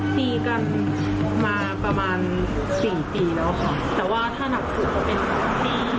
ตีกันมาประมาณสี่ปีแล้วค่ะแต่ว่าถ้าหนักสุดก็เป็นปี